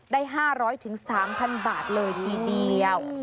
ได้๕๐๐๓๐๐บาทเลยทีเดียว